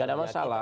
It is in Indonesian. gak ada masalah